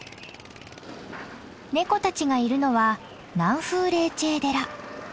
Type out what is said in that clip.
ネコたちがいるのはナンフーレーチェー寺。